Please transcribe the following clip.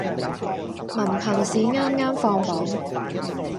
文憑試啱啱放榜